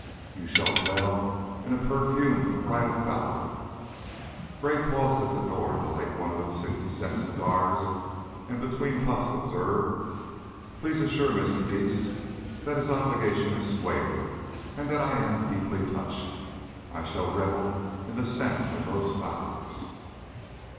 "You shall dwell in a perfumed bridal bower." Gray paused at the door to light one of those sixty cent cigars and between puffs observed: "Please assure Mr. Dietz that his obligation is squared and that I am deeply touched. I shall revel in the scent of those flowers."